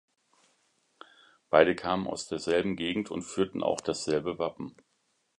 Beide kamen aus derselben Gegend und führten auch dasselbe Wappen.